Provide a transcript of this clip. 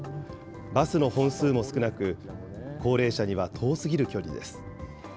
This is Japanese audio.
バスの本数も少なく、高齢者には遠すぎる距離です。